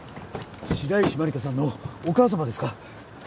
白石万理華さんのお母様ですか？